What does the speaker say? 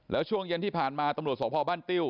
แล้วช่วงเย็นที่ผ่านมาตำรวจสพบ้านติ้ว